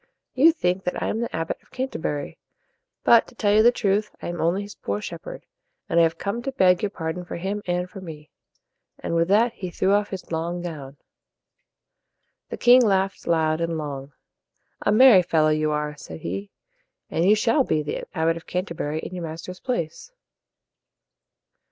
"You think that I am the Abbot of Can ter bur y. But, to tell you the truth, I am only his poor shepherd, and I have come to beg your pardon for him and for me." And with that, he threw off his long gown. The king laughed loud and long. "A merry fellow you are," said he, "and you shall be the Abbot of Canterbury in your master's place."